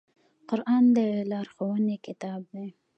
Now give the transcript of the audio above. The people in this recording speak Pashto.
قرآن د لارښوونې کتاب دی